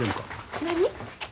何？